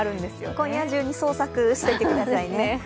今夜中に捜索してくださいね。